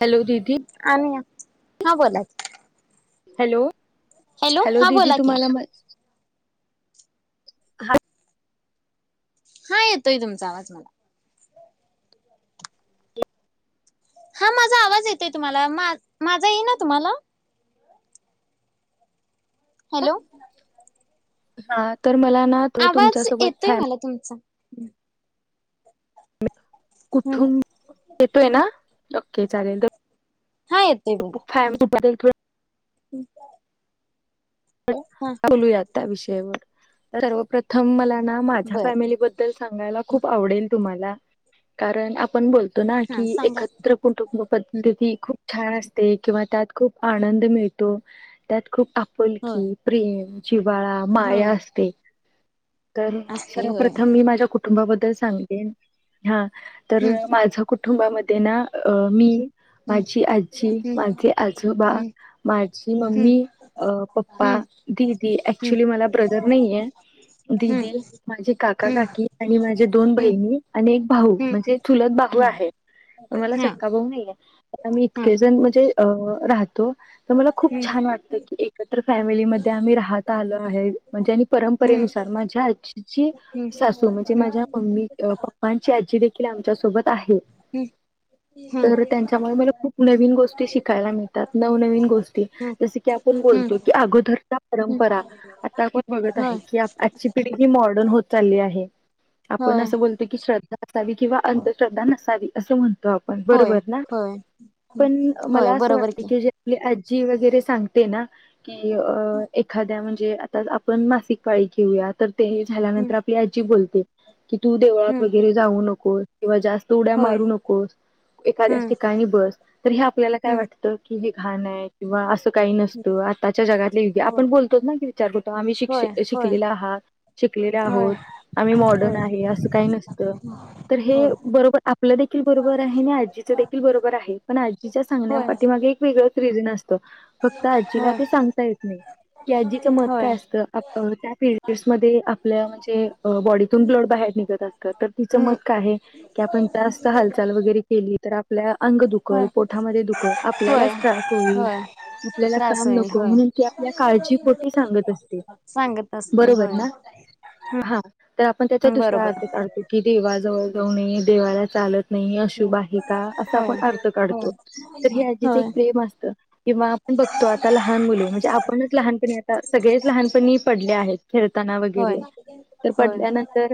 Hello दिदी आणि् हा बोलाय हॅलो हॅलो दिदी की तुम्हाला म हा येतोय तुमचा आवाज मला एक ह माझा आवाज येतोय तुम्हाला मा माझा ये ना तुम्हाला हॅलो हा तर मला ना त तुमच्या आवाज सोबत येतोय फॅम मला तुमचा हम्म कुठुंब येतोय ना के चालेल तर हा फाम बदल थोड ह ोलूया त्या विषयवर सर्वप्रथम मला माझ्या बर फॅमिलीबद्ल सांगायला बर खूप आवडेल तुम्हाला कारण आपण बो ना हा की सांगा एकत्र कुटुंब की. पद्धती खूप छान असते किंवा त्यात खूप आनंद मिळतो त्यात खूप आप क होय प्रेम जिवाळा हो माया असते तर असते होय सर्वप्रथम मी माझ्या कुटुंबाबद्दल सांगतेन हा तर हम्म माझ कुटुंबामध्ये ना अ मी हम्म माझी आजी माझे आजोबा हम्म माझी हम्म मम्मी अ ्पा हम्म ददी ऍक्च्युली मला ब्रदर नाही आहे हम्म दिदी माझी हम्म काका हम्म काकी आणि माझ्या दोन बहिणी आणि एक भाऊ हम्म म्हणजे झुलत हम्म हम्म भाहू हम्म आहे मला हा हा सत्का भाऊ नाहीये आता मी हम्म इतके जण म्हणजे अ राहत [unintelligible] मला खूप छान वाटतं की फॅमिली मधे आम्ही राहत आलो आहे म्हणजे हम्म परंपरेनुसार माझ्या आजी हम्म असं म्हणजे हम्म हम्म माझ्या मम्मी पप्पांची आजी देखील आमच्या सोबत आहे. हं. तर त्यां च्यामुळे मला खूप नवीन गोष्टी शिकायला मिळतात. न गोष्टी हा जसं की आपण हम्म बोलतो. [unintelligible] अगोदरचा हम्म परंपरा आता आपण बघत आहे होय की आजची पिढी ही मॉडर्न होत चालली आहे. आपण होय असं बोलतो की श्रद्धा असावी किंवा अंधश्रद्धा नसावी असं म्हणत होय बरोबर होय पण होय मला असं बरोबर वाटत की ज आप जी वगैरे सांगते ना की एखाद्या म्हणजे आता आपण मासिक पाळी घेऊया तर ते हम्म झाल्यानंतर आपली आजी बोलते कि तू देवळात हम्म वगैरे जाऊ नकोस. किंवा जास्त उड्या होय मारू नकोस, एखाद्याच हम्म ठिकाणी बस तर, हे आपल्याला काय हम्म वाटतं की घाण आहे किंवा असं काही नसतं. आजच्या जगातले य [unintelligible] हो आपण बोलतो ना कि विचार करतो आम्ही शिक होय होय शिकलेले आहात शिकलेले होय आहोत. आम्ही मॉडर्न होय आहे असं काही नसतं. तर हे होय बरोबर आपलं देखील बरोबर आहे आणि आजीचं देखील बरोबर आहे. पण आजीच्या सांगण्या होय पाठी माग एक वे तो [unintelligible] नसतो. काक्त आजीला होय ते सांगता येत नाही की आजीच मत होय काय असतं. त्या पिरिययड्समध्ये आपल्या म्हणजे बॉडीतून ब्लड बाहेर निघत असतं तर तिचं हम्म मत काय आहे की, आपण जास्त हालचाल वगैरे केली तर आपल्या अंग होय दुखल, पोटामध्ये दुखल, होय आपल्यालाच त्रास होईल, होय आपल्याला त्रास काम न होईल होय, असते सांगत असते बरोबर होय. ना हा तर आपण त्याचा हम्म दुसरा बरोबर अर्थ काढतो की देवाजवळ जाऊ नये देवाला चालत नाही हो अशुभ आहे का असं आपण होय अर्थ होय काढतो तर हे आजीच एक होय प्रेम असतं किंवा आपण बघतो आता लहान मुले म्हणजे आपणच लहानपणी आता सगळेच लहानपणी पडले आहेत खेळताना होय वगैरे. तर होय पडल्यानंतर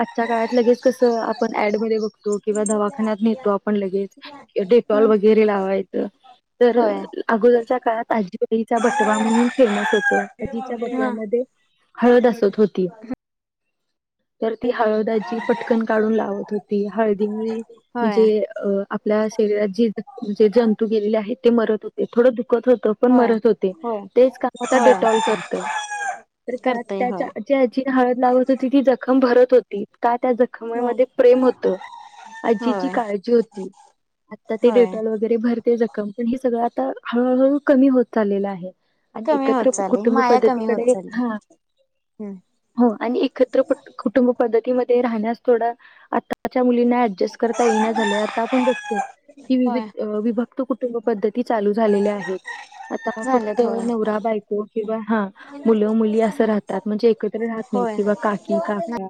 आजच्या काळात लगेच कसं आपण ऍड मधे बघतो किंवा दवाखान्यात आपण लगेच डेटॉल हम्म वगैरे लावायचो, तर होय अगोदरच्या काळात आजीवाईचा बटवा म्हणून फेमस होतं आजीच्या ह बटव्यामध्ये हळदासत होती. तर ती हळदाची पटकन काढून लावत होती. हळदीमुळे होय म्हणजे आपल्या शरीरात जे जंतू गेलेले आहेत ते मरत होते. थोडं दुखत होतं. होय मरत होते होय तेच काम आता होय डेटॉल करतय. तर का करतय त्या होय ज्या आजी हळद लावत होती. ती जखम भरत होती. का त्या होय जखमामध्ये प्रेम होतं आजी ची होय काळजी होती. आता ते होय डेटॉल वगैरे भर जखम पण हे सगळं आता हळूहळू कमी होत चाललेलं आहे. आणि कमी एकत्र होत चालली कुटुंब माया कमी होत पद्धतीकडे चालली हा हम्म हो आणि एकत्र कुटुंब पद्धतीमध्ये राहण्यास थोडा आताच्या मुली त्यांना अड्जस्ट करता येईना झालंय. आता आपण बघतो कि विभक्त कुटुंब पद्धती चालू झालेल्या आहेत. बागा आता फक्त झालेत होय नवरा बायको किंवा हा मुलं मुली असं राहतात म्हणजे एकत्र राहत होय नाही. व काकी काकू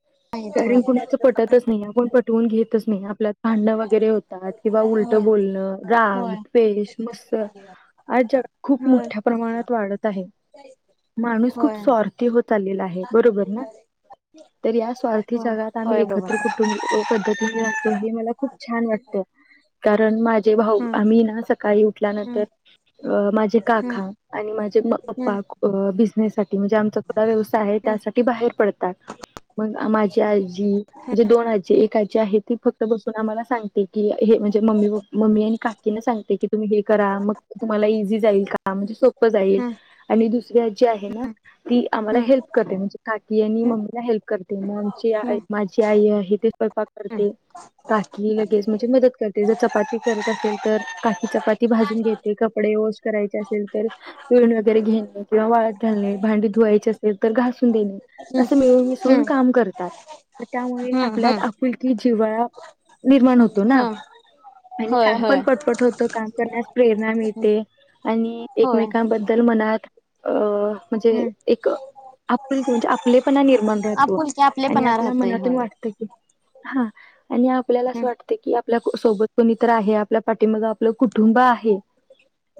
[unintelligible] कारण कुणाचं पटतच नाही. आपण पटवून घेतच नाही. आपल्यात भांडणं वगैरे होतात किंवा उलटं होय बोलण राग, होय द्वेष, मस्त. आज जग खूप होय मोठ्या प्रमाणात वाढत आहे. माणूस खूप होय स्वार्थी होत चाललेला आहे बरोबर ना? तर या स्वार्थी होय जगात आम्ही होय बरोबर एकत्र कुटुंब पद्धतीने राहतो हे मला खूप छान वाटतं. कारण माझे भाऊ हम्म आम्ही ना सकाळी उठल्यानंतर हम्म अ माझ्या हम्म काका आणि माझ्या हम्म पप्पा बिझनेस म्हणजे आमचा ा व्यवसाय आहे हम्म त्यासाठी बाहेर पडतात मग माझी आजी म्हणजे दोन आजी एक आजी आहे ती फक्त बसून हम्म आम्हाला सांगते की हे म्हणजे मम्मी मम्मी आणि काकीनें सांगते की तुम्ही हे करा मग तुमला इझी जाईल का म्हणे जाईल हम्म आणि दुसऱ्या जी आहे ना ती आम्हाला हम्म हेल्प करते म्हणजे काकी आणि मम्मीला हेल्प करते ग आमची हम्म माझी आई आहे ते स्वयंपाक करते हम्म काकी लगेच म्हणजे मदत करते जर चपाती करत असेल तर काकी चपाती भाजून घेत कपडे करायचे असेल तर तुरण वगैरे घेणे किंवा वाळत घालणे भांडी धुवायची असेल तर घासून देणे असं मिळून मिसळून हम्म काम करतात त्यामुळे आपल्यात हम्म आपुलकी जिवळा निर्माण होतो ना हम्म आणि होय काम होय पण पटपट होतं काम करण्यास प्रेर आणि होय एकमेकांबद्दल मनात अ म्हणजे हम्म एक आपल क म्हणजे आपलेपणा निर्माण राहतो आपुलकी आणि आपलेपणा आपल्या राहतोय मनातून होय वाटत की हा आणि आपल्याला असं हम्म वाटतं की आपल्या सोबत कोणीत आहे आपल्या पाठीमाग आपलं कुटुंब आहे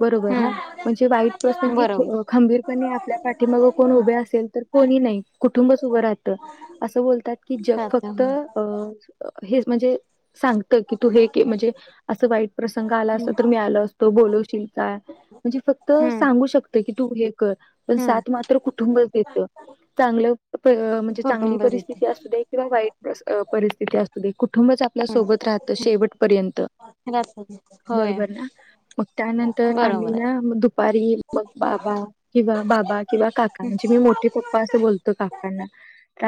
बरोबर ना हम्म म्हणजे वाईट प्रसंग की बरोबर खंबीरपणे आपल्या पाठी मग कोण उभे असेल तर कोणी कु बतात राहतोय जक्त होय म्हणजे सांगत की तू हे म्हणजे असं वाईट प्रसंग आला अस हम्म तर मी आलं तो बोलवशील का म्हणजे फक्त हम्म सांगू शकत की तू हे पण हम्म सात मात्र कुटुंबच येत चांगलं म्हणजे चांगली कुटुंब रीती परिस्थिती असू दे किंवा वाईट परिस्थिती असू दे कूठं बंच आपल्या सोबत राहतं शेवट पर्यंत रात्री होय बरोबर ना. त्यानंतर आम्ही बरोबर आहे ना दुपारी मग बाबा किंवा बाबा किंवा काका म्हणजे मी मोठे पप्पा असं बोलतो का कांणा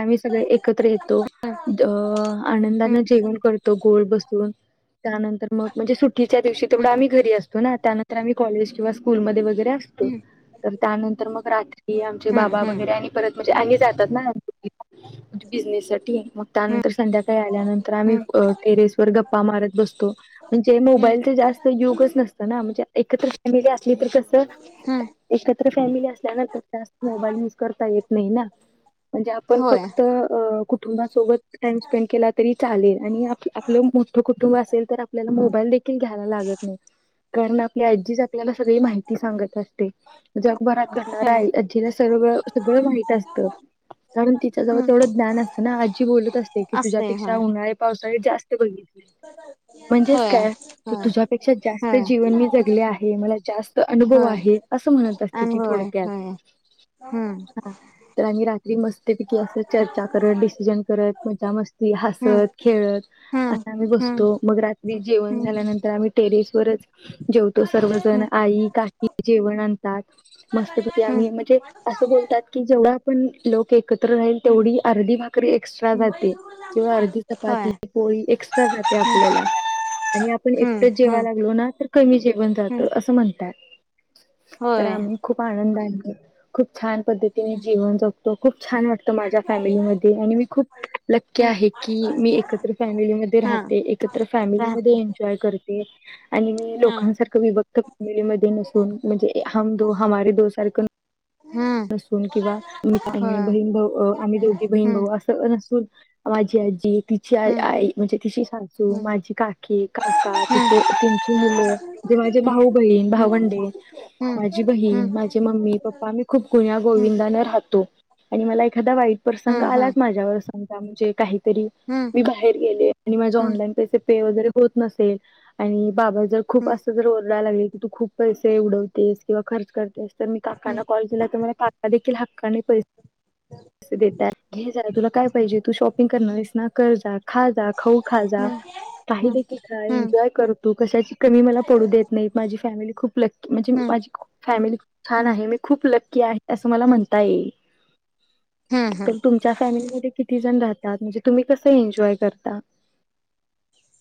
आम्ही सगळे एकत्र येतो. द हम्म आनंदाने जेवण करतो गोल बसून त्यानंतर मग म्हणजे सुटीच्या दिवशी तेवढं आम्ही घरी असतो ना त्यानंतर आम्ही काॅलेज किंवा स्कूलमध्ये वगैरे असतो. हम्म तर त्यानंतर मग रात्री आमचे हम्म बाबा हम्म वगैरे आणि परत म्हणजे आणि जातात ना, बिझनेस साठी मग हम्म त्यानंतर संध्याकाळी आल्यानंतर आम्ही हम्म टेरेस वर गप्पा मारत बसतो म्हणजे हम्म मोबाईल जास्त युज च नसतं ना. म्हणजे एकत्र फॅमिली तर कस हम्म एकत्र फॅमिली असल्यानंतर जास्त मोबाईल युज करता येत नाही ना म्हणजे आपण होय फक्त कुटुंबात सोबत टाईम स्पेंड केला तरी चालेल आणि आप आपलं मोठं कुटुंब असेल तर आपल्याला मोबाईल देखील घ्या यला लागत नाही. कारण आपली आजी आपल्याला सगळी माहिती सांगत असते. जगभरात घडणार होय आहे अजीला सगळ सगळं माहित असते. होय कारण तिच्याजवळ हम्म तेवढं ज्ञान असतं ना आजी बोलत असते की असतय तुझ्यापेक्षा होय उन्हाळे पावसाळी जास्त म्हणजेच होय काय होय तुझ्यापेक्षा जास्त होय जीवन मी जगले आहे. मला जास्त अनुभव होय आहे. असं म्हणत असते ती अनुभव आहे थोडक्यात, होय हम्म हा तर आणि रात्री मस्त त्यापैकी असं चर्चा करत डिसिजन करत मजा मस्ती हम्म हसत खेळत हम्म असा आम्ही हम्म बसतो मग रात्री जेवण हम्म झाल्यानंतर आम्ही टेरेसवरच जेवतो सर्वजण हम्म आई, काकी जेवण आणतात मस्तपैकी हम्म आम्ही म्हणजे असं बोलतात की जेवढा आपण लोक एकत्र राहील तेवढी अर्धी भाकरी एक्स्ट्रा हम्म जाते. किंवा अर्धी चपाती, होय पोळी एक्स्ट्रा जाते आपल्याला आणि आपण हम्म एकटंच जेवाय हम्म लागलो ना. तर जेवण जात हम्म अस म्हणतात तर होय आम्ही खूप आनंदाने खूप छान पद्धतीने जीवन जगतो खूप छान वाटत माझ्या फॅमिलीमध्ये आणि मी खूप लक्की हम्म आहे की मी एकत्र फॅमिलीमध्ये हा राह ते. एकत्र फॅमिली मध्ये राहत एजॉय करते आणि मी हा लोकांसारखं विभक्त फॅमिलीमध्ये नसून म्हणजे हम दो हमे दो सारखं हम्म नसून किंवा ही होय बहीण भाऊ आम्ही दोघी बहीण हम्म भाऊ असं नसून, माझी आजी तिची आ हम्म आई म्हणजे तिची सासू हम्म माझी काकी काका तिचे हम्म तिची मुलं माझे हम्म भाऊ, बहीण, भावंडे, माझी बहीण, माझे मम्मी, पप्पा मी खूप गुण्या गोविंदाने राहतो. आणि मला एखादा वाईट प्रसंग आला माझ्यावर समजा काही मी बाहेर गेले आणि माझ ऑनलाईन पैसे पे वगैरे होत नसेल आणि बाबांचे खूप असं जर ओरडाय लागले. की तू खूप पैसे उडवतेस किंवा खर्च करतेस, तर मी काकाना आमच्या कॉल केला तर मला काका देखील हक्काने असं देत्यात घे जा तुला काय पाहिजे तू शॉपिंग करणार आहेस ना कर जा खा जा खाऊ खाजा काही देखील खा एन्जॉय कर तु कशाची कमी मला पडू देत नाही माझी फॅमिली खू प लक्की म्हणजे माझी फॅमिली खूप छान आहे मी खूप लक्की आहे असं मला म्हणता येईल. तर तुमच्या फॅमिलीमध्ये किती जण राह तात म्हणजे तुम्ही कसं एन्जॉय करता?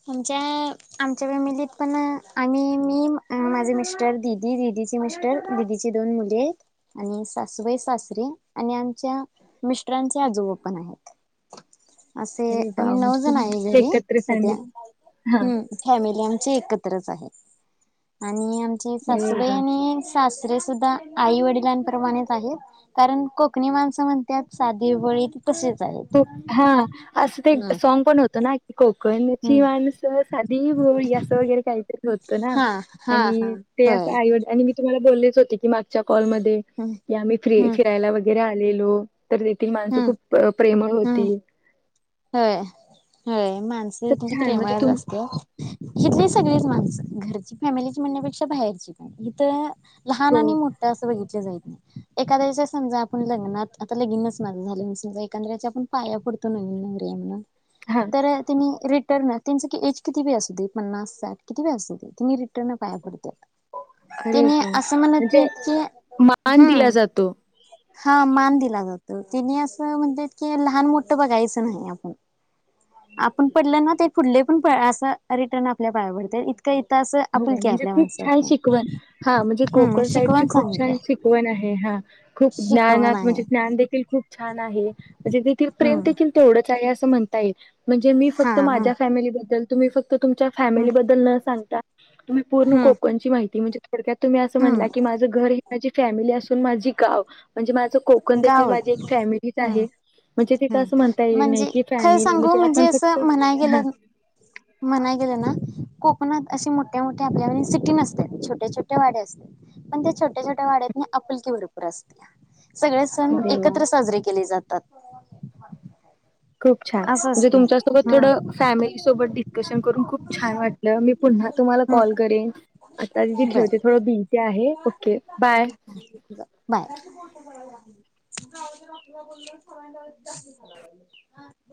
आमच्या आमच्या फॅमिलीत पण आम्ही मी माझे मिस्टर दिदी दी दी चे मिस्टर दिदी दोन मुले आणि सासूबाई सासरे आणि आमच्या मिस्ट रांचे आजोबा पण आहेत. असे अरे वा आम्ही नऊ म्हणजे जण तुम्ही आहे देखील घरी एकत्र सध्या फॅमिली हा हम्म फॅमिली आमची एकत्रच आहे आणि आची अरे सासबा वा आणि सास दुरे सुद्धा आई वडिलांपमाणेच आहेत कारण कोकणी माणसं म्हणतात साधी वळीत खू हा असं ते हम्म. सॉग पण होत ना खूप कोकण्ची हम्म माणसं साधी भोळी असं वगैरे खायचं होत ना हा हा हा आणि ते अस होय आईव मी तुम्हाला बोललेच होते की मागच्या कॉलमध्येध्ये हम्म की आम्ही फ हम्म फिरायला वगैरे आलेलो तर तेथील माणसं हम्म खूप प्रेमळ होती हय हय माणस तर त छान म्हणजे प्रेमळ तुम असते हथले सगळेच माणसं घरची फॅमिलीची म्हणण्यापेक्षा बाहेरची पण हिथ लहान आणि मोठं असं बघितलं जाय ह एखद्याच्या समजा आपण लग्ना आता लगनच मजा झाली समजा एकादच्या आपण पाया पडतो लगन लग्न हां. रिर्न त्यांच एज किती वे असू दे पन्नास साठ किती वे असू दे ति रिटर्न पाया पडत अरे तिने वाह! असं म्हणजे म्हणतलेत की मान दिला हम् जातो. हा मान दिला जातो तिने असं म्हणत की लहान मोठं बघायचं नाही आप आपण पडलं ना ते पुुढले पण अस रिटर्न आपल्या पायावर हो म्हणजे खूप छान शिकवण हा म्हणजे हम्म कोकण साईडची शिकवण खूप चांगली छान आहे शिकवण आहे ह हा खूप शिकवण ज्ञानात आहे म्हणजे ज्ञान देखील खूप छान आहे म्हणजे तेथील प्रेम हम्म देखील तेवढंच आहे असं म्हण म्हणजे मी हा फक्त ह माझ्या फॅमिलीबद्दल तुम्ही फक्त तुमच्या हम्म फॅमिलीबद्दल न सांगता तुम्ही पूर्ण हम्म कोकणची माहिती म्हणजे थोडक्यात तुम्ही असं म्हटलं की हम्म माझं घर हे माझी फॅमिली असून माझी गाव म्हणजे माझं कोकण देखील माझी एक फॅमिलीच आहे म्हणजे ह तिथं असं म्हणता येईल नाही म्हणजे की खरं फॅमिली सांगू म्हणजे आपण फक्त असं म्हणाय हा गेलं मना गले ना ख अे मोठे मोठे आपल्या सिटी नसते छोटे छोटे वाड्या असात पण त्या छोट्या छोट्या वाड्यात पल क वरपूर असस्त सगळे सण देवा एकत्र साजरे केले जातात खूप छान असं म्हणजे असते तुमच्यासोबत थोडं हम्म. फॅमिली सोबत डिस्कशन करून खूप छान वाटलं मी पु ह तुम्हाला हम्म कॉल करेन आता दिदी बर ठेवते थोडं बीझी आहे ओके बाय बाय ड्राऊ बोल सा लाग